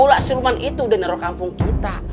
ular siluman itu udah nerok kampung kita